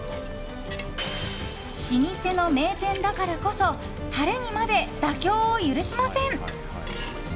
老舗の名店だからこそタレにまで妥協を許しません。